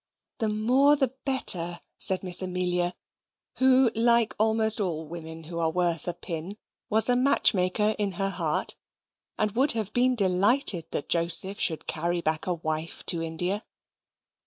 "The more the better," said Miss Amelia; who, like almost all women who are worth a pin, was a match maker in her heart, and would have been delighted that Joseph should carry back a wife to India.